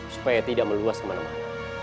supaya tidak meluas kemana mana